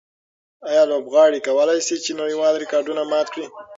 آیا لوبغاړي کولای شي چې نړیوال ریکارډونه مات کړي؟